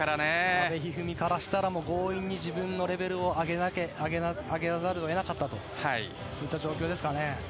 阿部一二三からしたら強引に自分のレベルを上げざるを得なかった状況ですかね。